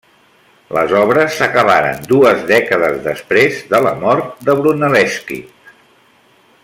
Les obres s'acabaren dues dècades després de la mort de Brunelleschi.